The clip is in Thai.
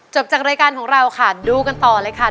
จากรายการของเราค่ะดูกันต่อเลยค่ะ